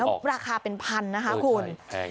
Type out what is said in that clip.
แล้วราคาเป็นพันนะคะคุณ